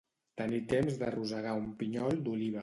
Tenir temps de rosegar un pinyol d'oliva.